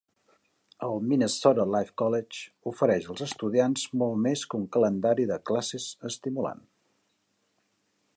El Minnesota Life College ofereix als estudiants molt més que un calendari de classes estimulant.